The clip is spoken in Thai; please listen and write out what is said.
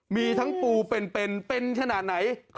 มันเยอะมาก